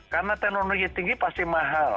karena teknologi tinggi pasti mahal